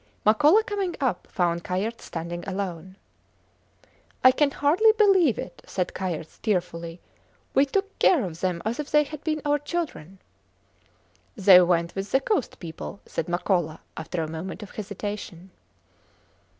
Makola coming up found Kayerts standing alone. I can hardly believe it, said Kayerts, tearfully. We took care of them as if they had been our children. They went with the coast people, said Makola after a moment of hesitation.